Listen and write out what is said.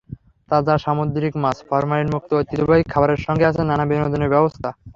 তাজা সামুদ্রিক মাছ, ফরমালিনমুক্ত ঐতিহ্যবাহী খাবারের সঙ্গে আছে নানা বিনোদনের ব্যবস্থা।